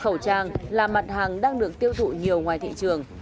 khẩu trang là mặt hàng đang được tiêu thụ nhiều ngoài thị trường